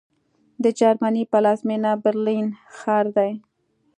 د جرمني پلازمېنه برلین ښار دی